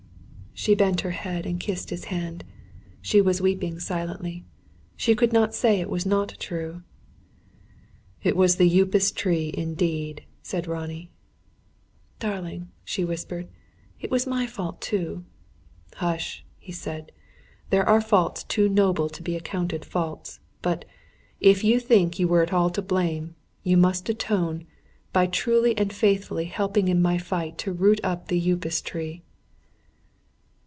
She bent her head and kissed his hand. She was weeping silently. She could not say it was not true. "It was the Upas tree indeed," said Ronnie. "Darling," she whispered, "it was my fault too " "Hush," he said. "There are faults too noble to be accounted faults. But if you think you were at all to blame you must atone, by truly and faithfully helping in my fight to root up the Upas tree."